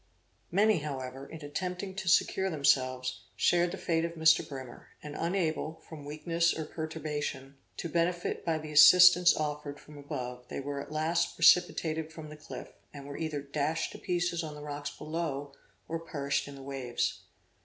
Many, however, in attempting to secure themselves, shared the fate of Mr. Brimer, and, unable, from weakness or perturbation, to benefit by the assistance offered from above, they were at last precipitated from the cliff, and were either dashed to pieces on the rocks below, or perished in the waves.